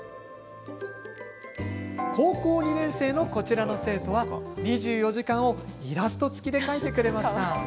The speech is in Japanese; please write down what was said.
高校２年生のこちらの生徒は２４時間をイラスト付きで描いてくれました。